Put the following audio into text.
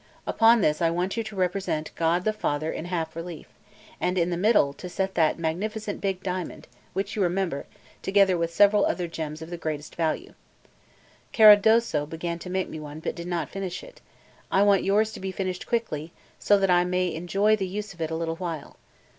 Upon this I want you to represent a God the Father in half relief, and in the middle to set that magnificent big diamond, which you remember, together with several other gems of the greatest value. Caradosso began to make me one, but did not finish it; I want yours to be finished quickly, so that I may enjoy the use of it a little while.